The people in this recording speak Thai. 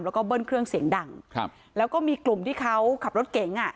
แล้วก็เบิ้ลเครื่องเสียงดังครับแล้วก็มีกลุ่มที่เขาขับรถเก๋งอ่ะ